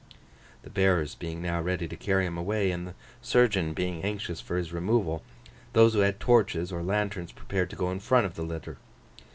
The bearers being now ready to carry him away, and the surgeon being anxious for his removal, those who had torches or lanterns, prepared to go in front of the litter.